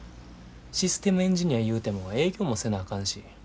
システムエンジニアいうても営業もせなあかんし。